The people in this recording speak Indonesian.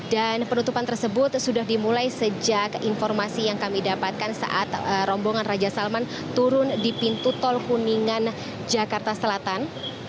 dan penutupan tersebut sudah dimulai sejak informasi yang kami dapatkan saat rombongan raja salman turun di pintu tol kuningan jakarta selatan